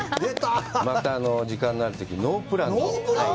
また時間のあるとき、ノープランの。